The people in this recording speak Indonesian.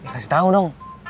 kasih tau dong